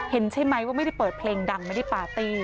ใช่ไหมว่าไม่ได้เปิดเพลงดังไม่ได้ปาร์ตี้